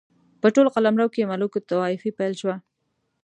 په ټول قلمرو کې ملوک الطوایفي پیل شوه.